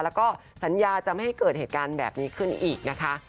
แล้วก็สัญญาจะไม่ให้เกิดเหตุการณ์แบบนี้ขึ้นอีกนะคะ